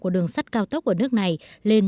của đường sắt cao tốc của nước này lên